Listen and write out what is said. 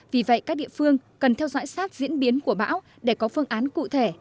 vì vậy các địa phương cần theo dõi sát diễn biến của bão để có phương án cụ thể